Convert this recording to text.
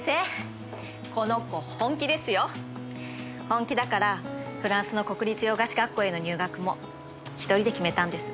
本気だからフランスの国立洋菓子学校への入学も一人で決めたんです。